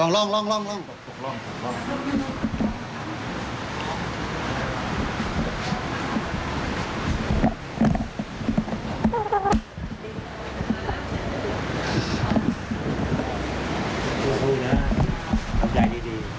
ลุงนะครับทำใจดี